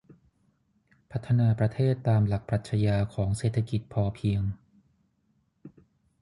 พัฒนาประเทศตามหลักปรัชญาของเศรษฐกิจพอเพียง